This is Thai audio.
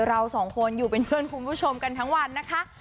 เราสองคนอยู่เป็นเพื่อนคุณผู้ชมกันทั้งวันนะคะ